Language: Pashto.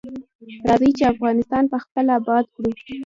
راځی چی افغانستان پخپله اباد کړو.